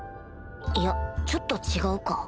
いやちょっと違うか